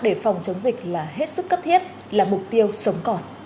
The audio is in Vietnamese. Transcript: để phòng chống dịch là hết sức cấp thiết là mục tiêu sống còn